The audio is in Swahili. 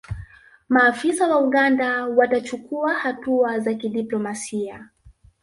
maafisa wa uganda watachukua hatua za kidiplomasia